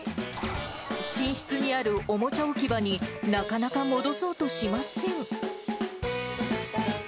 寝室にあるおもちゃ置き場に、なかなか戻そうとしません。